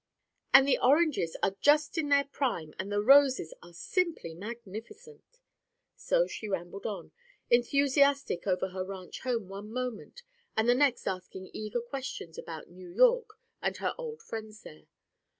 And the oranges are just in their prime and the roses are simply magnificent!" So she rambled on, enthusiastic over her ranch home one moment and the next asking eager questions about New York and her old friends there.